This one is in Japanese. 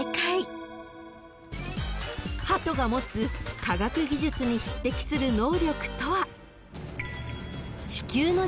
［ハトが持つ科学技術に匹敵する能力とは］